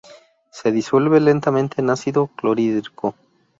Se disuelve lentamente en ácido clorhídrico.